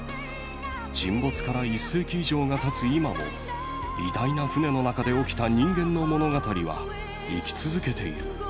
沈没から１世紀以上がたつ今も、偉大な船の中で起きた人間の物語は生き続けている。